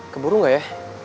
keburu nggak ya